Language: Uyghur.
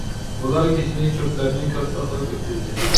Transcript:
بۇلار كېچىنى چۆپلەرنى كۆرپە قىلىپ ئۆتكۈزدى.